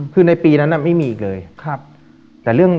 คือในปีนั้นน่ะไม่มีอีกเลย